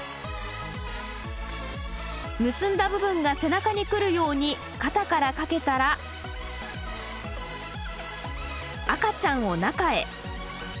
結んだ部分が背中に来るように肩から掛けたら赤ちゃんを中へ。